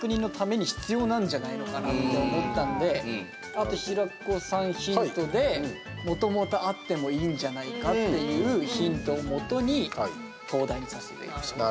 あと平子さんヒントでもともとあってもいいんじゃないかっていうヒントをもとに灯台にさせていただきました。